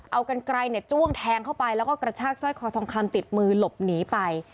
เอากันไกลจ้วงแทงเข้าไปแล้วก็กระชากสร้อยคอทองคำติดมือหลบหนีไป